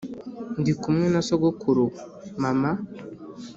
ndi kumwe na sogokuru ubu, mama.